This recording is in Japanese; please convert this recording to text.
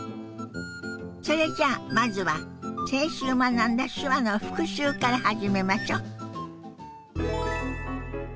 それじゃあまずは先週学んだ手話の復習から始めましょ。